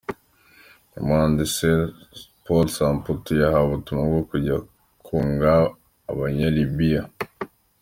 Umuhanzi Paul Samputu yahawe ubutumwa bwo kujya kunga Abanyalibiya